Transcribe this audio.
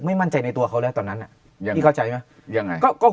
ไม่มั่นใจในตัวเค้าแล้วตอนนั้นอ่ะยังจัดจ่ายอ่ะยังไงก็